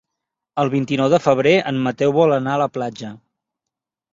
El vint-i-nou de febrer en Mateu vol anar a la platja.